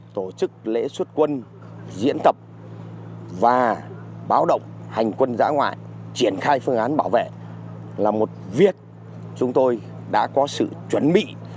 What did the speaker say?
tổ chức lễ xuất quân diễn tập và báo động hành quân giã ngoại triển khai phương án bảo vệ là một việc chúng tôi đã có sự chuẩn bị